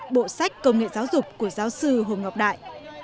bộ sách công nghệ giáo dục của giáo sư hồ ngọc đại